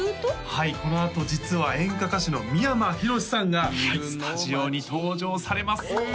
はいこのあと実は演歌歌手の三山ひろしさんがスタジオに登場されますうわ